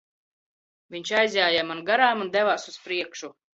Viņš aizjāja man garām un devās uz priekšu.